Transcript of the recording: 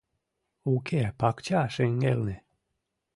— Уке, пакча шеҥгелне.